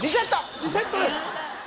リセットです